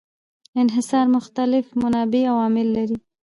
انحصار مختلف منابع او عوامل لري.